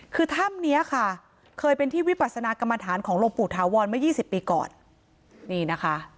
คือถ้ำนี้ค่ะเคยเป็นที่วิปัสนากรรมฐานของหลวงปู่ถาวรเมื่อ๒๐ปีก่อนนี่นะคะ